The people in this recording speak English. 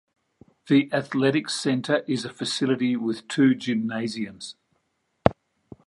The Athletic Center is a facility with two gymnasium.